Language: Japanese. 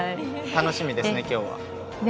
楽しみですね、今日。